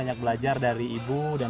mama masa buka